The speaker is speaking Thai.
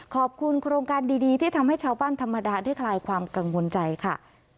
ขอบคุณโครงการดีที่ทำให้เช้าบ้านธรรมดาที่คลายความกังวลใจค่ะ